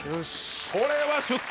これは出世。